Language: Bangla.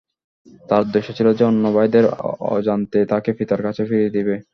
তার উদ্দেশ্য ছিল যে, অন্য ভাইদের অজান্তে তাকে পিতার কাছে ফিরিয়ে দিবে।